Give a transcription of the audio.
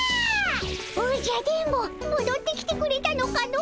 おじゃ電ボもどってきてくれたのかの。